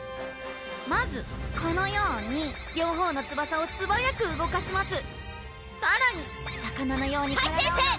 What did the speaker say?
まずこのように両方の翼を素早く動かしますさらに魚のように体をはい先生！